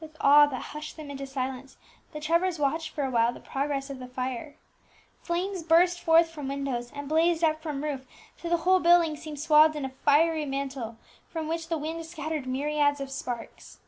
With awe that hushed them into silence, the Trevors watched for a while the progress of the fire. Flames burst forth from windows, and blazed up from roof, till the whole building seemed swathed in a fiery mantle, from which the wind scattered myriads of sparks.